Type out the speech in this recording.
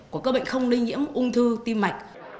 của các bệnh không lây nhiễm ung thư tim mạch